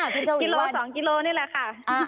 คุณฉวีวันกิโล๒กิโลนี่แหละค่ะ